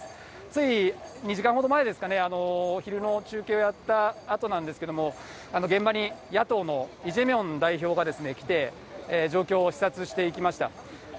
つい２時間ほど前ですかね、昼の中継をやったあとなんですけれども、現場に野党のイ・ジェミョン代表が来て、状況を視察していきました。